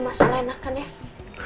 masalah enakan ya